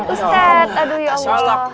ustadz aduh ya allah